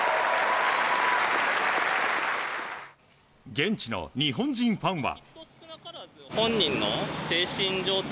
現地の日本人ファンは。